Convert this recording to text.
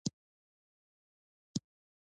کوچیان د افغان ځوانانو د هیلو استازیتوب کوي.